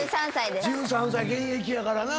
１３歳現役やからな。